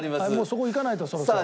そこいかないとそろそろ。